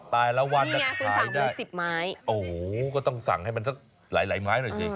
ตายแล้ววันค่อยได้โอ้โหก็ต้องสั่งให้มันสักหลายไม้หน่อยสิ